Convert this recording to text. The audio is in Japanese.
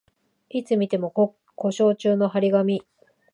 いつ見ても故障中の張り紙